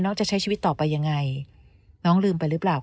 จะใช้ชีวิตต่อไปยังไงน้องลืมไปหรือเปล่า